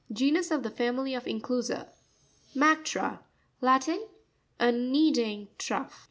—Genus of the family of Inclusa. Macrra. — Latin. A_ kneading. trough.